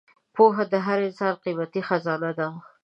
پوهه د هر انسان قیمتي خزانه ده.